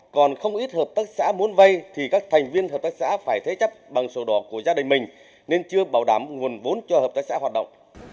còn không ít hợp tác xã muốn vây thì các thành viên hợp tác xã phải thế chấp bằng sổ đỏ của gia đình mình nên chưa bảo đảm nguồn vốn cho hợp tác xã hoạt động